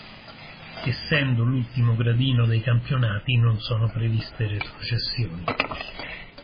Essendo l'ultimo gradino dei campionati, non sono previste retrocessioni.